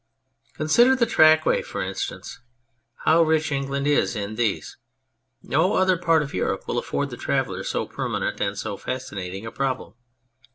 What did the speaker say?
Consider the Track ways, for instance. How rich England is in these ! No other part of Europe will afford the traveller so permanent and so fas cinating a problem.